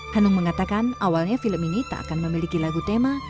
hanung mengatakan awalnya film ini tak akan memiliki lagu tema